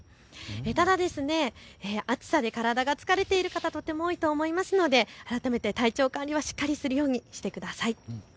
ただ、暑さで体が疲れている方とても多いと思いますので改めて体調管理をしっかりするようにしてください。